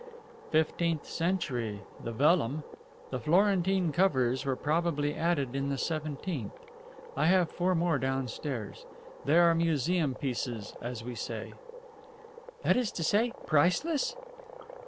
"Fifteenth century the vellum. The Florentine covers were probably added in the seventeenth. I have four more downstairs. They are museum pieces, as we say." "That is to say, priceless?"